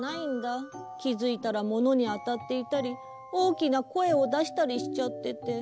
きづいたらものにあたっていたりおおきなこえをだしたりしちゃってて。